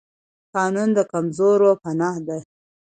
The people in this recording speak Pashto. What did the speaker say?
قانون د کمزورو پناه ده